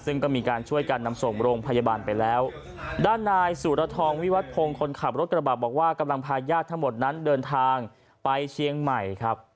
ซึ่งก็มีการช่วยกันนำส่งโรงพยาบาลไปแล้วด้านนายสุรทองวิวัตพงศ์คนขับรถกระบะบอกว่ากำลังพาญาติทั้งหมดนั้นเดินทางไปเชียงใหม่ครับ